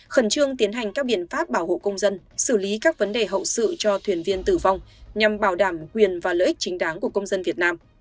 khẩn trương tiến hành các biện pháp bảo hộ công dân xử lý các vấn đề hậu sự cho thuyền viên tử vong nhằm bảo đảm quyền và lợi ích chính đáng của công dân việt nam